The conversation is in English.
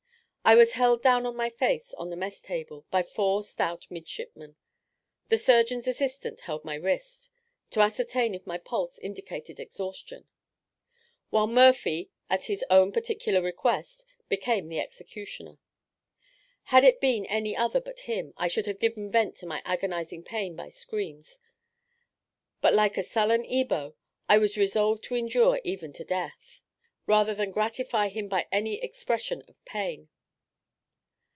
I was held down on my face on the mess table by four stout midshipmen; the surgeon's assistant held my wrist, to ascertain if my pulse indicated exhaustion; while Murphy, at his own particular request, became the executioner. Had it been any other but him, I should have given vent to my agonizing pain by screams, but like a sullen Ebo, I was resolved to endure even to death, rather than gratify him by any expression of pain.